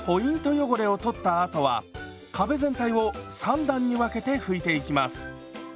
汚れを取ったあとは壁全体を３段に分けて拭いていきます。